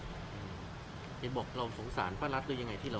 เห็นบอกเราสงสารพระรัชหรือยังไงที่เรา